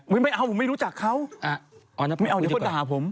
เฮ้ยไม่เอาผมไม่รู้จักเขาอะอร์นอภาคคุยดีกว่าไม่เอาเดี๋ยวเขาด่าผม